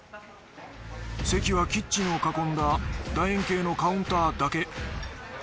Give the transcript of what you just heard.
席はキッチンを囲んだ楕円形のカウンターだけ。